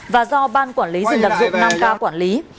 và do ban quản lý rừng đặc dụng năm k quản lý